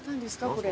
これ。